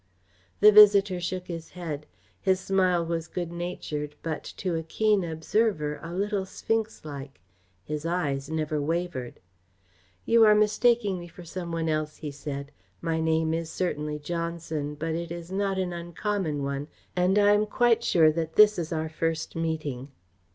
The visitor shook his head. His smile was good natured, but, to a keen observer, a little sphinxlike. His eyes never wavered. "You are mistaking me for some one else," he said. "My name is certainly Johnson, but it is not an uncommon one and I am quite sure that this is our first meeting."